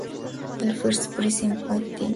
El First Prize in Painting.